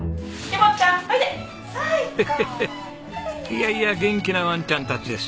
いやいや元気なワンちゃんたちです。